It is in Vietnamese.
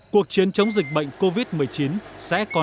cuộc chiến chống dịch bệnh covid một mươi chín sẽ còn nhiều